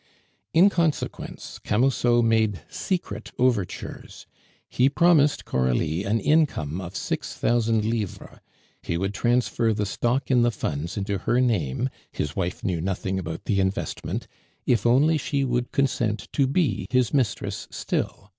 In consequence, Camusot made secret overtures. He promised Coralie an income of six thousand livres; he would transfer the stock in the funds into her name (his wife knew nothing about the investment) if only she would consent to be his mistress still.